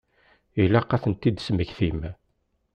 Ilaq ad tent-id-tesmektim.